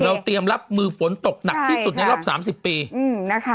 เตรียมรับมือฝนตกหนักที่สุดในรอบ๓๐ปีนะคะ